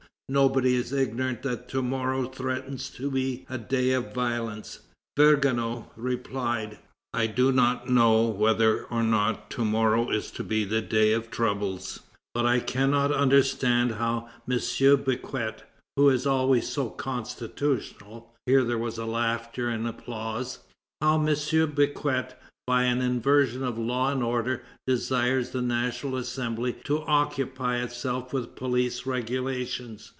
Nobody is ignorant that to morrow threatens to be a day of violence." Vergniaud replied: "I do not know whether or not to morrow is to be a day of troubles, but I cannot understand how M. Becquet, who is always so constitutional" (here there was laughter and applause), "how M. Becquet, by an inversion of law and order, desires the National Assembly to occupy itself with police regulations."